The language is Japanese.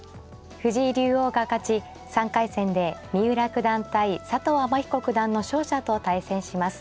藤井竜王が勝ち３回戦で三浦九段対佐藤天彦九段の勝者と対戦します。